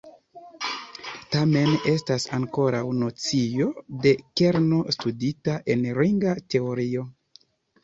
Tamen, estas ankoraŭ nocio de kerno studita en ringa teorio.